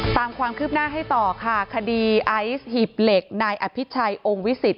ตามความคืบหน้าให้ต่อค่ะคดีไอซ์หีบเหล็กนายอภิชัยองค์วิสิต